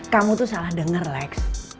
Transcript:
kamu tuh salah denger lex